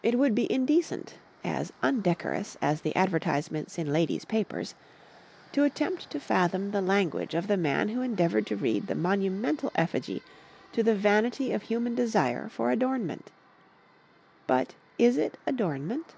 It would be indecent, as undecorous as the advertisements in ladies' papers, to attempt to fathom the language of the man who endeavoured to read the monumental effigy to the vanity of human desire for adornment. But is it adornment?